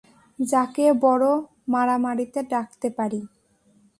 যাকে বড় মারামারিতে ডাকতে পারি?